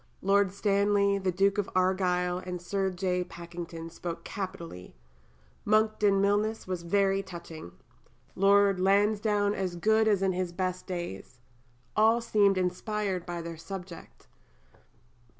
Lord Stanley, the Duke of Argyll, and Sir J. Pakington spoke capitally. Monckton Milnes was very touching. Lord Lansdowne as good as in his best days. All seemed inspired by their subject.